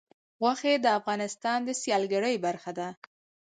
غوښې د افغانستان د سیلګرۍ برخه ده.